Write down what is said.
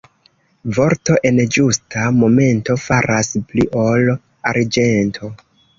Vorto en ĝusta momento faras pli ol arĝento.